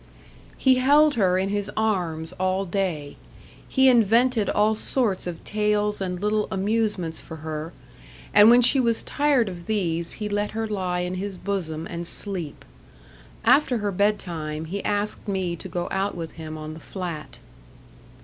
He held her in his arms all day. He invented all sorts of tales and little amusements for her; and when she was tired of these he let her lie in his bosom and sleep. After her bed time he asked me to go out with him on the Flat.